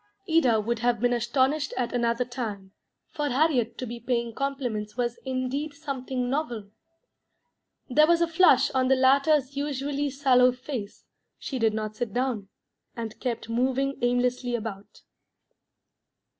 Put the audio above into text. Ida would have been astonished at another time; for Harriet to be paying compliments was indeed something novel. There was a flush on the latter's usually sallow face; she did not sit down, and kept moving aimlessly about.